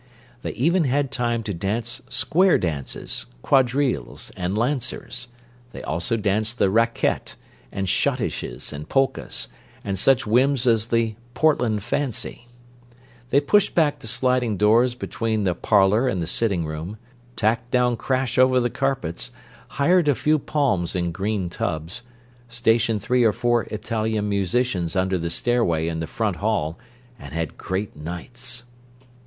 They even had time to dance "square dances," quadrilles, and "lancers"; they also danced the "racquette," and schottisches and polkas, and such whims as the "Portland Fancy." They pushed back the sliding doors between the "parlour" and the "sitting room," tacked down crash over the carpets, hired a few palms in green tubs, stationed three or four Italian musicians under the stairway in the "front hall"—and had great nights!